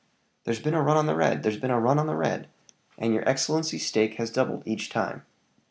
"There's been a run on the red! there's been a run on the red! and your excellency's stake has doubled each time.